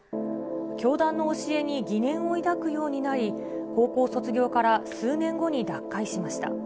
教団の教えに疑念を抱くようになり、高校卒業から数年後に脱会しました。